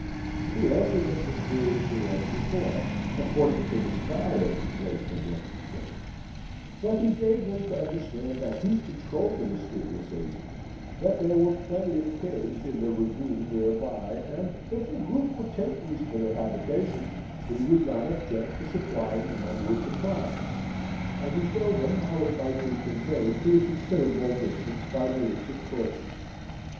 He answered as mysteriously as before, and pointed to the sky as the place from whence it came; but he gave them to understand that he controlled the mysterious agent; that there were plenty of caves in the ravine near by, and if the group would take these for their habitations, he would not object to supplying them with the fire; and he showed them how it might be conveyed to a considerable distance by means of torches.